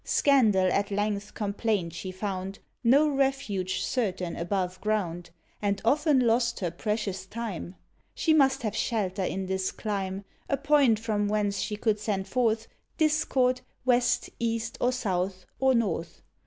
Scandal, at length, complain'd she found No refuge certain above ground, And often lost her precious time: She must have shelter in this clime A point from whence she could send forth Discord, west, east, or south, or north.